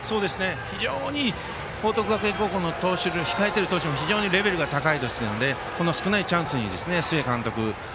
非常に報徳学園高校控えている投手も非常にレベルが高いですのでこの少ないチャンスにかける須江監督